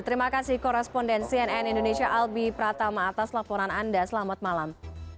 terima kasih koresponden cnn indonesia albi pratama atas laporan anda selamat malam